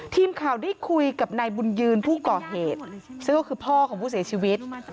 ทีมข่าวได้คุยกับนายบุญยืนผู้ก่อเหตุซึ่งก็คือพ่อของผู้เสียชีวิต